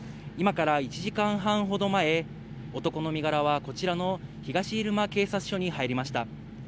今から１時間半ほど前、男の身柄はこちらの東入間警察署に入りました。